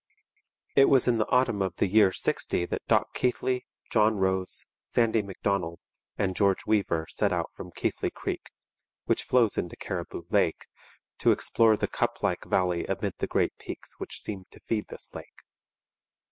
It was in the autumn of the year '60 that Doc Keithley, John Rose, Sandy MacDonald, and George Weaver set out from Keithley Creek, which flows into Cariboo Lake, to explore the cup like valley amid the great peaks which seemed to feed this lake.